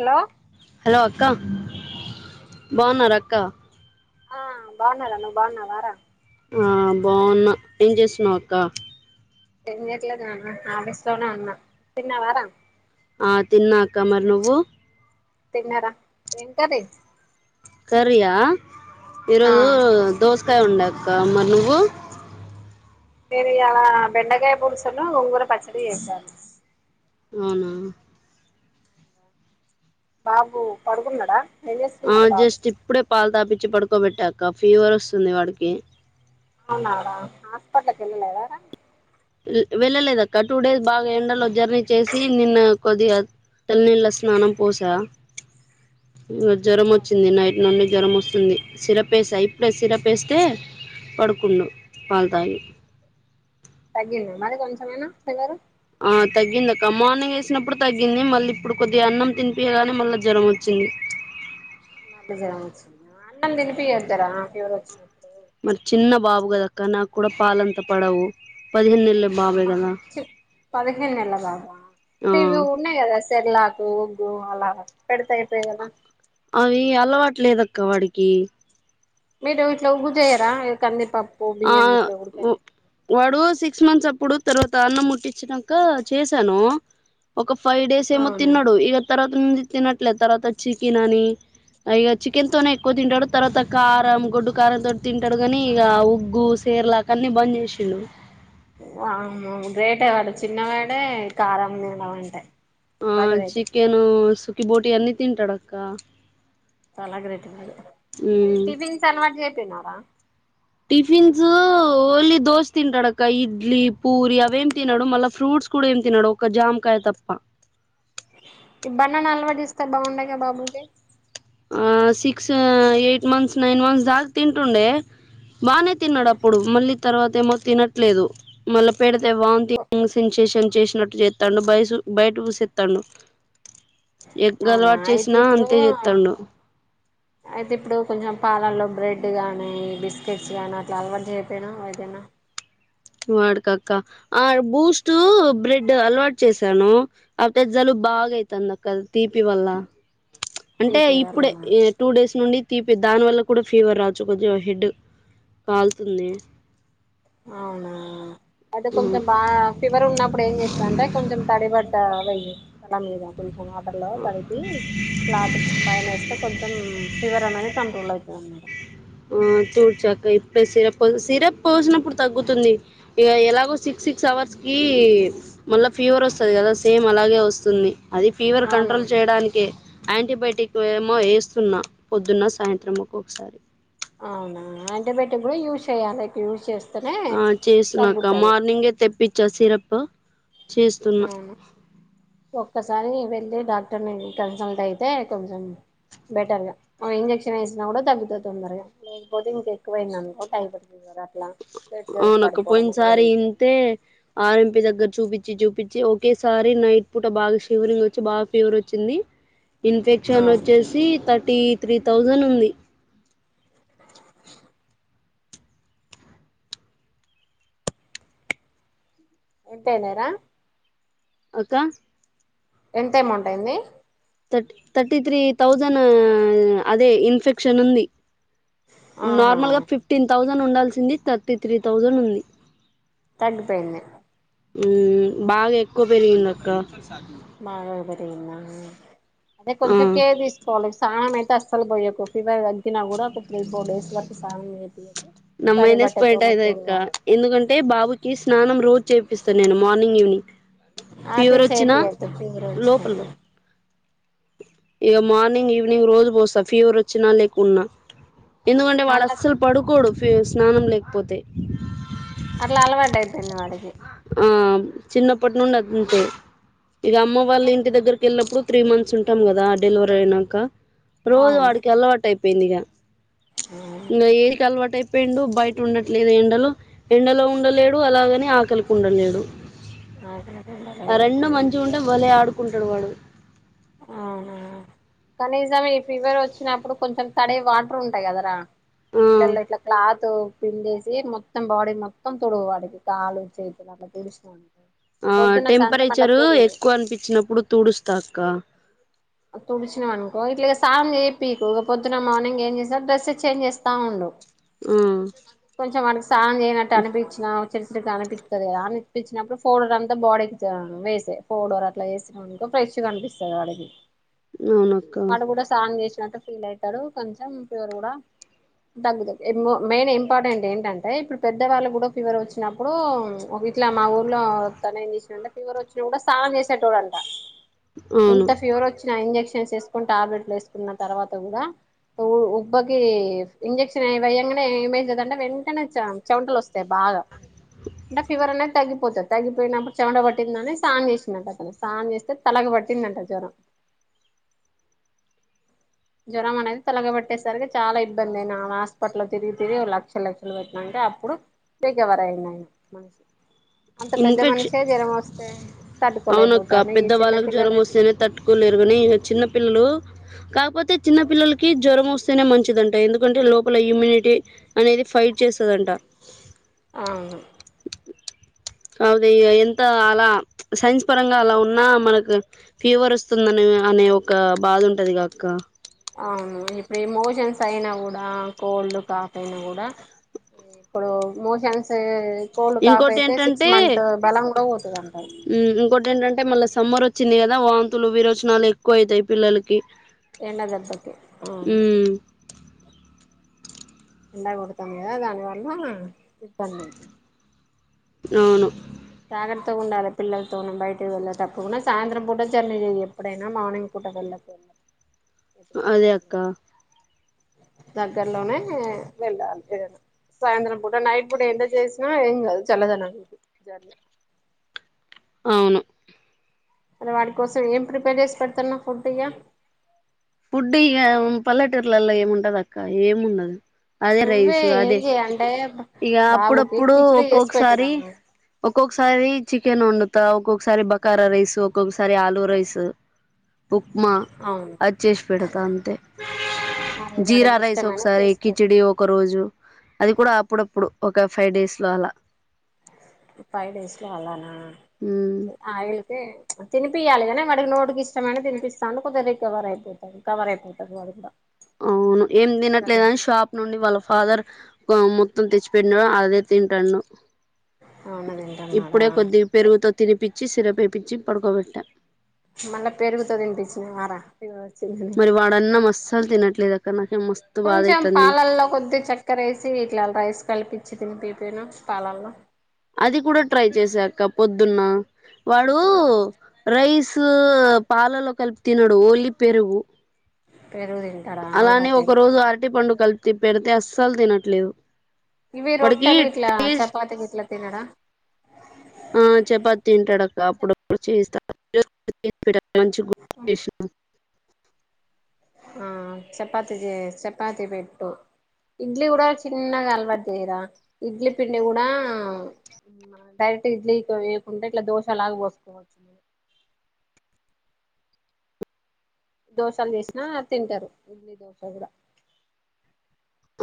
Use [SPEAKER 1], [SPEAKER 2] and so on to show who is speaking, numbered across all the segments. [SPEAKER 1] Hello
[SPEAKER 2] hello అక్క బాగున్నారు అక్క
[SPEAKER 1] ఆ బాగున్నారా నువ్ బాగున్నావరా
[SPEAKER 2] ఆ బాగున్నా ఏం చేస్తున్నావ్ అక్క
[SPEAKER 1] ఏం చేయట్లేదు నాన్న ఆఫీసులోనే ఉన్న తిన్నావారా
[SPEAKER 2] ఆ తిన్నా అక్క మరి నువ్వు
[SPEAKER 1] తిన్నారా ఏం కర్రీ
[SPEAKER 2] కరియా
[SPEAKER 1] ఆ
[SPEAKER 2] ఈరోజు దోస కా ఉండక్క మరి నువ్వు
[SPEAKER 1] నేను ఇయ్యాల బెండకాయ పులుసును గూర పచ్చడి చేసాను
[SPEAKER 2] అవునా
[SPEAKER 1] బాబు పడుకున్నాడా ఏం
[SPEAKER 2] ఆ
[SPEAKER 1] చేస్తున్నాడు బాబు
[SPEAKER 2] జస్ట్ ఇప్పుడే పాలు తాపిచ్చి పడుకోబెట్టాక ఫీవర్ వస్తుంది వాడికి
[SPEAKER 1] అవునాడా హాస్పిటల్ కి వెళ్లలేదా రా
[SPEAKER 2] వెళ్ళలేదు అక్క టూ డేస్ బాగా ఎండలో జర్నీ చేసి నిన్న కొద్దిగా తల్లినీళ్ళ స్నానం పోసా ఇగ జ్వరం
[SPEAKER 1] అవునా
[SPEAKER 2] వచ్చింది నైట్ నుండి జ్వరం వస్తు వస్తుంది సిరప్ వేస్తా ఇప్పుడే సిరప్ వేస్తే పడుకున్నడు పాలు తాగి
[SPEAKER 1] తగ్గింది మరి కొంచమేనా ఫీవర్
[SPEAKER 2] ఆ తగ్గిందిక్క మార్నింగ్ వేసినప్పుడు తగ్గింది మళ్ళీ ఇప్పుడు కొద్ది అన్నం తినిపియగానే మళ్ళీ జ్వరం వచ్చింది [inaudible]
[SPEAKER 1] అన్నం తినిపియేద్దారా ఫీవర్ వచ్చినప్పుడు
[SPEAKER 2] మరి చిన్న బాబు గదాక్క నాకు కూడా పాలంత పడవు పదిహేను నెలల బాబే కదా
[SPEAKER 1] చి పదిహేనుల బాబు
[SPEAKER 2] ఆ
[SPEAKER 1] అ ఇవి ఉన్నాయి కదా సిర్లాకు ఉగ్గు అలా పెడతాయిపోయి కదా
[SPEAKER 2] అవి అలవాటులేదక్క వాడికి
[SPEAKER 1] మీరు వీట్లో ఉగ్గు చెయ్యరా కంది ప
[SPEAKER 2] ఆ వాడు సిక్స్ మంత్స్ అప్పుడు తర్వాత అన్నం ముట్టించినంక చేశాను ఒక ఫైవ్ డేస్ ఏమో
[SPEAKER 1] అవునా
[SPEAKER 2] తిన్నాడు ఇక తర్వాత ది తినట్లే తర్వాత చికెన్ అని ఇక చికెన్ తోనే ఎక్కువ తింటాడు తర్వాత కారం గొడ్డు కారంతోటి తింటాడు కాని ఇక వుబ్ గు సేర్లాకన్ని బంద్ చేసిండు
[SPEAKER 1] వామ్మో గ్రేటేవాడు చిన్నవాడే కారం నడం అంటే
[SPEAKER 2] ఆ
[SPEAKER 1] చాలా గ్రేట్
[SPEAKER 2] చికెను సుకి బోటి అన్ని తింటాడక్క
[SPEAKER 1] అ టిఫిన్ స అలవాటు చేయకపోయినా రా
[SPEAKER 2] టిఫిన్స్ ఓలీ దోశ తింటాడు అక్క ఇడ్లీ పూరి అవేం తిన్నాడు మళ్ళా ఫ్రూట్ ఫ్రూట్స్ కూడా ఏం తినడు ఒక జామకాయ తప్ప
[SPEAKER 1] ఈ బనానా అలవాటు చేస్తే బాగుండే కదా బాబుకి
[SPEAKER 2] ఆ six eight months nine months దాగ తింటుండే బానే తిన్నాడు అప్పుడు మళ్ళీ తర్వాత ఏమో తినట్లేదు మళ్ళా పేడ అ వాన్థింగ్ సెన్సేషన్ చేసినట్టు చేత్తాడు బయట వుసెత్తాడు ఎగ్
[SPEAKER 1] అవునా
[SPEAKER 2] అలవాటు
[SPEAKER 1] అయితే
[SPEAKER 2] చేసినా
[SPEAKER 1] ఇప్పుడు
[SPEAKER 2] అంతే చేత్తాండు
[SPEAKER 1] అయితే ఇప్పుడు కొంచెం పాలల్లో బ్రెడ్ గానీ బిస్కెట్స్ గానీ అట్లా అలవాటు చేయపోయాను అదనా
[SPEAKER 2] వాడికక్క ఆ బూస్టూ బ్రెడ్డు అలవాటు చేసాను అట్లే జలుబ్ బాగైతాంది అక్క తీపి వల్ల అంటే
[SPEAKER 1] టీటీ
[SPEAKER 2] ఇప్పుడే
[SPEAKER 1] వాళ్ళనా
[SPEAKER 2] టూ డేస్ నుండి తీపి దాని వల్ల కూడా ఫీవర్ రాచ్చు కొజ్జిగ హెడ్ కాల్తుంది
[SPEAKER 1] అవునా అంటే
[SPEAKER 2] ఆ
[SPEAKER 1] కొంచెం బాగా ఫీవర్ ఉన్నప్పుడు ఏం జేస్తా అంటే కొంచెం తడిబట్ట వెయ్ తల మీద ల కొంచెం ఆటర్లో తడిపి క్లాత్ పైన ఎస్తే కొంచెం ఫీవర్ అనేది కంట్రోల్ అయితదనమాట
[SPEAKER 2] ఊ చూడ్చాక్క ఇప్పుడే సిరప్పం సిరప్ పోసినప్పుడు తగ్గుతుంది ఇగ ఎలాగో సిక్ సిక్స్ అవర్స్ కి మళ్ళ ఫీవరొస్తది గదా సేమ్ అలాగే వస్తుంది అది ఫీవర్
[SPEAKER 1] అవును
[SPEAKER 2] కంట్రోల్ చేయడానికె ఆంటీబయాటిక్ వేమో ఏస్తున్నా పొద్దున్న సాయంత్రం ఒక్కొక్కసారి
[SPEAKER 1] అవునా ఆంటిబయొటిక్ గుడా యూజ్ చేయ్యాలే యూజ్ చేస్
[SPEAKER 2] ఆ చేస్తున్నా అక్క మార్నింగే తెప్పిచ్చా సిరపు చేస్తున్నా
[SPEAKER 1] దానికే వెళ్ళి డాక్టర్ని కన్సల్ట్ అయితే కొంచెం బెటర్ గా ఉ ఇంజెక్షన్ ఏసినా గుడా తగ్గుతది తొందరగా లేకపోతే ఇంకెక్కువయిందినుకో టైం. పడతది అట్లా ప్లేట్లెట్స్
[SPEAKER 2] అవునక్క పోయిన
[SPEAKER 1] పడిపోవడం అట్లా
[SPEAKER 2] సారి
[SPEAKER 1] జరుగుతుంది
[SPEAKER 2] ఇంతే ఆర్ఎంపీ దగ్గర చూపిచ్చి చూపి చ్చి. ఒకేసారి నైట్ పూట బాగా షివరింగ్ వచ్చి బాగా ఫీవరొచ్చింది
[SPEAKER 1] ఆ
[SPEAKER 2] ఇన్ఫెక్షన్ నొచ్చేసి థర్టీ త్రీ థౌజండ్ ఉంది.
[SPEAKER 1] ఎంతైయినాయ్ రా
[SPEAKER 2] అక్కా
[SPEAKER 1] ఎంత ఎమౌంట్ అయింది.
[SPEAKER 2] Thirty three thousand. అదే ఇన్ఫెక్షన్ ఉంది
[SPEAKER 1] ఆహా
[SPEAKER 2] నార్మల్ గా ఫిఫ్టీన్ థౌసండ్ ఉండాల్సింది. థర్టీ త్రీ థౌజనుంది.
[SPEAKER 1] తగ్గిపోయింది.
[SPEAKER 2] ఉ బాగా ఎక్కువ పెరిగింది అక్క.
[SPEAKER 1] బాగా పెరిగింద. అదే కొంచం కేేర్ దీసుకోవాల సానం అ తేఅస్సల్ బోయకు. ఫీవర్ తగ్గిన గూడా ఒక త్రీ ఫోర్ డేస్ వరకు సానం జేపియకు
[SPEAKER 2] నా మైనస్ పాయింట్ అదే అక్క. ఎందుకంటే బాబుకి స్నానం రోజు చేపిస్తా నేను మార్నింగ్, ఈవినింగ్
[SPEAKER 1] అది
[SPEAKER 2] ఫీవరొచ్చినా
[SPEAKER 1] చేపియద్దు ఫీవర్
[SPEAKER 2] లోపల
[SPEAKER 1] వచ్చినప్పుడు
[SPEAKER 2] ఇగ మార్నింగ్, ఈవినింగ్ రోజు బోస్తా. ఫీవరొచ్చినా లేకున్నా ఎందుకంటే వాడు
[SPEAKER 1] అలా
[SPEAKER 2] అస్సలు పడుకోడు ఫి స్నానం లేకపోతే
[SPEAKER 1] అట్లా అలవాటైపెయింది వాడికి
[SPEAKER 2] ఆ చిన్నప్పటి నుండి అంతే. ఇగ అమ్మ వాళ్ళ ఇంటి దగ్గరకి వెళ్ళప్పుడు త్రీ మంత్స్ ఉంటాం కదా. దా డెలివరీ అయినంక రోజు
[SPEAKER 1] అవును
[SPEAKER 2] వాడికి అలవాటు అయిపెయింది ఇగ ఇంగ వీడికి అలవాటయ్ ఎండు బయట ఉండట్లేదు ఎండలో. ఎండలో ఉండలేడు అలాగని ఆకలికి ఉండలేడు. ఆ రెండు మంచి ఉంటే భలే ఆడుకుంటాడు వాడు.
[SPEAKER 1] ఆ కానీసమ్ ఈ ఫీవర్ వచ్చినప్పుడు కొంచెం తడి వాట్రుంటాయి గదా రా
[SPEAKER 2] ఆ
[SPEAKER 1] నీళ్ళళ్ళో ఇట్లా క్లా తు పిండేసి మొత్తం బాడీ మొత్తం తుడవాలి. కాలు చేతులు అట్లా తుడుస్కోండి.
[SPEAKER 2] ఆ టెంపరేచరు ఎక్కువ అనిపించినప్పుడు తుడుస్తా అక్క
[SPEAKER 1] తుడిచినావనుకో ఇట్లా ఇగ స్నానం చేపీకు. ఇక పొద్దున్న, మార్నింగ్ ఏం చేస్తార్ డ్రెస్స్ చేంజ్ చేస్తా ఉండు.
[SPEAKER 2] ఆ
[SPEAKER 1] కొంచెం వాళ్ళకి స్నానం చేయనట్టు అనిపించిన [unintelligible] అనిపించినప్పుడు ఫౌర్డర్ అంతా బాడీకి వేసేయ్ ఫౌర్డరు అట్లా వేసినవనుకో ప్రెష్ గా అనిపిస్తుంది వాడికి.
[SPEAKER 2] అవునక్క
[SPEAKER 1] వాడు గూడా స్నానం జేస్ నట్ట ఫీల్ అయితాడు కొంచెం ఫివర్ గుడా మెయిన్ ఇంపార్టెంట్ ఏంటంటే ఇప్పుడు పెద్ద వాళ్ళ కూడా ఫీవర్ వచ్చినప్పుడు ఒక ఇట్లా మా ఊర్లో తనే ఏం చేసినంటే ఫీవర్ వచ్చిన కూడా స్నానం చేసేటోడంట ఇంత
[SPEAKER 2] అవును
[SPEAKER 1] ఫీవర్ వచ్చిన ఇంజెక్షన్స్ వేసుకొని టాబ్లెట్లు వేసుకున్న తర్వాత కూడా ఉబ్బకి ఇంజెక్షన్ వేయ్యంగానే ఏమేందింటే వెంటనే చెమటలు వస్తాయి బాగా బాగా అంటే ఫీవర్ అనేది తగ్గిపోతది. తగ్గిపోయినప్పుడు చెమట పట్టిందని స్నానం చేసిడట్ట అతను స్నానం చేస్తే తల పట్టిదట జ్వరం. జ్వరం అనేది తలగబట్టేసరికి చాలా ఇబ్బంది అయినా హాస్పిటల్ తిరిగి తిరిగి లక్షల లక్షలు పెట్టిన అప్పుడు రికవరు అయినాడు మనిషి అంత పెద్ద
[SPEAKER 2] ఇన్ఫెక్షన్
[SPEAKER 1] మనిషే జ్వరం వస్తే
[SPEAKER 2] అవునక్క
[SPEAKER 1] తట్టుకోలేకపోతాండు. ఈ చిన్నపిల్లలు ఎట్లా
[SPEAKER 2] ఈ చిన్న పిల్లలు కాకపోతే చిన్న పిల్లలకి జ్వరం వస్తే మంచిదింట ఎందుకంటే లోపల ఇమ్యూనిటీ అనేది ఫైట్ చేస్తుందంట.
[SPEAKER 1] అవును
[SPEAKER 2] అవును ఎంత అలా సైన్స్ పరంగా అలా ఉన్నా మనకు ఫీవర్ వస్తుందని అనే ఒక బాధ ఉంటదిగాక్క
[SPEAKER 1] అవును ఇప్పుడు మోషన్స్ అయినా కూడా కోల్డ్ కాఫ్ అయినా కూడా ఇప్పుడు మోషన్స్ కోల్డ్ కాఫీ
[SPEAKER 2] ఇంకోటి
[SPEAKER 1] అయితే సిక్స్
[SPEAKER 2] ఏంటంటే
[SPEAKER 1] మంత్ బెలం కూడా పోతుంది అంటారు
[SPEAKER 2] అంటే మళ్ళా సమ్మర్ వచ్చింది కదా వాంతులు విరోచనాలు ఎక్కువ అవుతాయి పిల్లలకి
[SPEAKER 1] ఎండదిబ్బకి ఆవు
[SPEAKER 2] హ్మ్.
[SPEAKER 1] ఎండ కొడతాం కదా దాని వల్ల ఇబ్బంది ఉతుుంది
[SPEAKER 2] అవును
[SPEAKER 1] జాగ్రత్తగా ఉండాలి పిల్లలతో బయటకి వెళ్ళే తప్పుండా సాయంత్రం పూట జర్నీ లేదు ఎప్పుడైనా మార్నింగ్ ప అంటబండ
[SPEAKER 2] అదే
[SPEAKER 1] ఇదివేదన
[SPEAKER 2] అక్క.
[SPEAKER 1] దగ్గర్లోనే వెళ్ళాలిర సాయంత్రం పూట నైట్ పూట ఎంత చేసినా ఏం కాదు చల్లదనానికి జర్నీ
[SPEAKER 2] అవును
[SPEAKER 1] వాడి కోసం ఏం ప్రిపేర్ చేసి పెడుతున్నా ఫుడ్ ఇ్యా
[SPEAKER 2] ఫుడ్ ఇక పల్లెటూరులలో ఏముండదు అక్క ఏముండదు అదే
[SPEAKER 1] నువ్వే
[SPEAKER 2] రైసు
[SPEAKER 1] ఏం
[SPEAKER 2] అదే
[SPEAKER 1] చేయి అంటే
[SPEAKER 2] ఇక
[SPEAKER 1] బాబుకి
[SPEAKER 2] అప్పుడప్పుడు
[SPEAKER 1] కిచిడి చేసి
[SPEAKER 2] ఒక్కొక్కసారి
[SPEAKER 1] పెట్టరా
[SPEAKER 2] ఒక్కొక్కసారి చికెన్ ఉండదు ఒక్కొక్కసారి బకారా రైస్ ఒక్కొక్కసారి ఆలుూ రైస్ ఉప్మా
[SPEAKER 1] అవును
[SPEAKER 2] చేసి పెటూత్ అంతే
[SPEAKER 1] అదే
[SPEAKER 2] ఉంది జీరా
[SPEAKER 1] వాడికి
[SPEAKER 2] రైస్
[SPEAKER 1] ఇష్టమైన
[SPEAKER 2] ఒకసారి
[SPEAKER 1] చేసి పెట్టు
[SPEAKER 2] కిచడి ఒక రోజు అది కూడా అప్పుడప్పుడు ఒక ఫైవ్ డేస్ లో అలా
[SPEAKER 1] ఫైవ్ డేస్ లో అళ్ళనా
[SPEAKER 2] హ్మ్.
[SPEAKER 1] అయితే తిపియాలిగానీ వాడికి నోటికి ఇష్టమైననా తిపిస్తాంే కొద్ది రికవర్ అయిపోతంది రే కవర్ అయిపోతంది వాడు కూడా
[SPEAKER 2] అవును ఏం
[SPEAKER 1] ఆహా
[SPEAKER 2] తినట్లేదు అని షాప్ నుండి వాళ్ళ ఫాదర్ మొత్తం తెచ్చిపెట్టినాడు అదే తింటాను
[SPEAKER 1] అవును తింటన్నాడా
[SPEAKER 2] ఇప్పుడే కొద్ది పెరుగుతో తినిపచ్చి సిరప్ పడుకోబెట్ట
[SPEAKER 1] మళ్ళా పెరుగుతో తినిపించిన వారా
[SPEAKER 2] మరి వాడన్నా మస్సాలు తినట్లేదు అక్కడ
[SPEAKER 1] కొంచెం పాలల్లో కొద్దిీ చక్కరేసి వీట్ల రేసు కలిపించి తినిపించి పెట్టు
[SPEAKER 2] అది కూడా ట్రై చేసాక పొద్దున్న వాడు రైస్ పాలలో కలిపి తినడు ఓన్లీ పెరుగుపెరుగు
[SPEAKER 1] పెరుగు తింటాడా
[SPEAKER 2] అలానే
[SPEAKER 1] అలవాటై
[SPEAKER 2] ఒక రోజు అరటి పండు కలిపి పెడితే అస్సలు తినట్లేదు
[SPEAKER 1] ఇవి
[SPEAKER 2] వాడికి
[SPEAKER 1] రొట్టలు ఇట్లా
[SPEAKER 2] టేస్ట్
[SPEAKER 1] చపాతికిట్లా తినడా
[SPEAKER 2] ఆ చపాతింటాడక్క అప్పుడుప్పుడు చేస్త మంచిచేసిన
[SPEAKER 1] ఆ చపాతి జ చపాతి పెయిట్టు ఇడ్లీ కూడా చిన్నగా అలవాటు చేయరా ఇడ్లీ పిండి కూడాడా డైరెక్ట్ ఇడ్లీ వేయకుండా ఇట్లా దోశ లాగా పోసుకోవచ్చు దోశలు చేసినా తింటారు ఇడ్లీ దోశ కూడా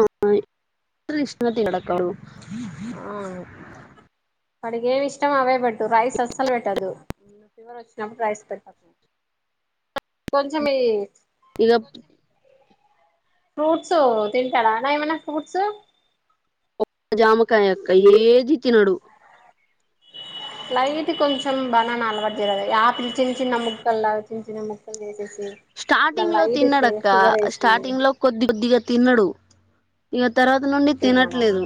[SPEAKER 2] ఆ ఎ ఇష్టత కడక్కు
[SPEAKER 1] అడిగేమి ఇష్టం అవేపేట్టు రైస్ ఆసలు బెట్టదు ఫీవర్ వచ్చినప్పుడు రైస్ పెట్టప్ప పంచమి
[SPEAKER 2] ఇక
[SPEAKER 1] ఫ్రూట్సు తింటాడా న మనా ఫ్రూట్స్
[SPEAKER 2] జామకాయ అక్క ఏది తినడు
[SPEAKER 1] లైతే కొంచెం బానాం అలవాడిదిరద ఆపి చిన్న చిన్న ముక్కల్లా చిన్న చిన్న ముక్క
[SPEAKER 2] స్టార్టింగ్ లో తిన్నడ అక్క
[SPEAKER 1] షుగర్ వేసి
[SPEAKER 2] స్టార్టింగ్ లో కొద్ది కొద్దిగా తినడు ఇక తర్వాత నుండి
[SPEAKER 1] తిన్నాడా
[SPEAKER 2] తినట్లేదు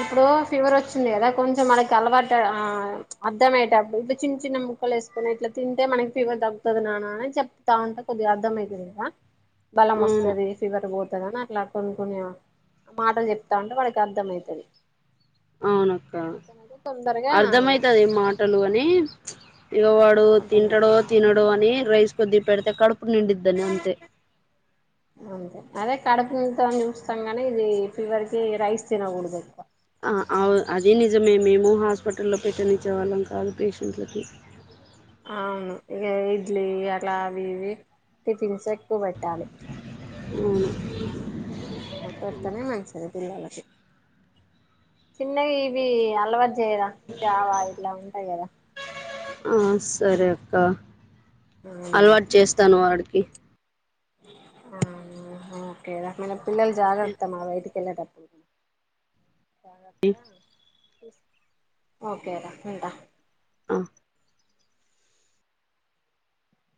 [SPEAKER 1] ఇప్పుడు ఫీవర్ వచ్చింది కదా కొంచెం మనకి అలవాటు అర్థమయ్యేటప్పుడు ఇప్పుడు చిన్న చిన్న ముక్కలు వేసుకుొని ఇట్లా తింటే మనకి ఫీవర్ తగ్గుతుంది నానా అని చెప్తా ఉంటా కొద్దిగా అర్థమయతది కదా బలం
[SPEAKER 2] అవును
[SPEAKER 1] వస్తది ఫీవర్ పోతదిని అట్లా కొనుకునేవా మాటలు చెప్తా ఉంటే వాడికి అర్థంమయితది
[SPEAKER 2] అవునక్క అర్ధమైతది మాటలు అని ఇగ వాడు
[SPEAKER 1] అర్థమై
[SPEAKER 2] తింటాడో తినడో అని రైస్ కొద్దిగ పెడితే కడుపు నిండిద్దనీ అంతే
[SPEAKER 1] అంతే అదే కడుపుంత చూపిస్తాం గాని ఇది ఫీవర్ కి రైస్ తినకూడదు ఎక్కువ
[SPEAKER 2] ఆ అవు అదే నిజమే మేము ము హాస్పిటల్లో పెట్టనిచ్చేవాళ్ళం కాదు పేషెంట్లకి
[SPEAKER 1] అవును ఇగ ఇడ్లీ అలా అవి ఇవి టిఫిన్స్ ఎక్కువ పెట్టాలి
[SPEAKER 2] అవును
[SPEAKER 1] పిల్లోళ్ళకి చిన్నవి ఇవి అలవాటు చేయాలి ఇవి జావా ఇట్లా ఉంటాయి కదా
[SPEAKER 2] ఆ సరే అక్క అలవాటు చేస్తాను వాడికి
[SPEAKER 1] ఆ ఓకే పిల్లలు జాగ్రత్తమా బయటికి వెళ్ళేటప్పుడు ఒకే రా ఉంటా
[SPEAKER 2] ఆ